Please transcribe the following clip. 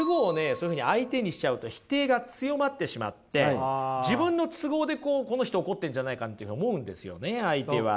そういうふうに相手にしちゃうと否定が強まってしまって自分の都合でこの人怒ってるんじゃないかって思うんですよね相手は。